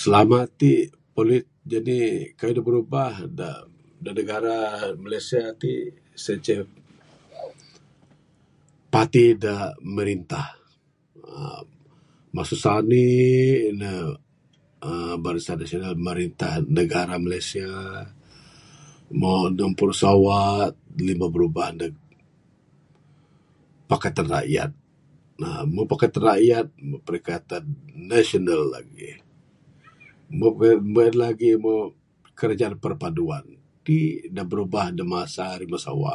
Selama ti poli jenik keyuh dak birubah dak negara Malaysia ti sien ceh parti dak merintah aaa mesu sanik ne aaa Barisan Nasional memerintah negara Malaysia moh enam puru sewa li ne birubah ndek Pakatan Rakyat, meh Pakatan Rakyat Pakatan Nasional legi. Meh en lagi moh Kerajaan Perpaduan ti ne birubah masa rimeh sewa.